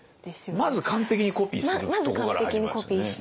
まず完璧にコピーするとこから入りますね。